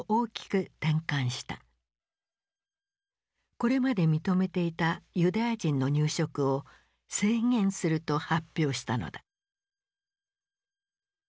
これまで認めていたユダヤ人の入植を制限すると発表したのだ。